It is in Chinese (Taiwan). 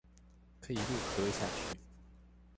可以一路喝下去